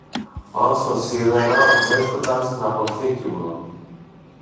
Όσο σίδερο βρίσκουνταν στην αποθήκη μου